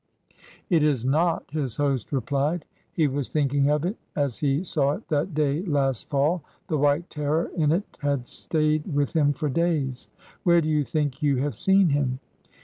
It is not,'' his host replied. He was thinking of it as he saw it that day last fall. The white terror in it had stayed with him for days. Where do you think you have seen him